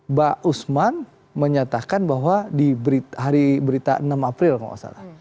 mbak usman menyatakan bahwa di hari berita enam april kalau tidak salah